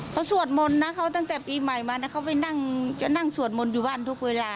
เขาสวดมนต์นะเขาตั้งแต่ปีใหม่มานะเขาไปนั่งจะนั่งสวดมนต์อยู่บ้านทุกเวลา